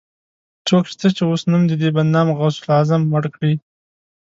څوک شته، چې اوس نوم د دې بدنام غوث العظم مړ کړي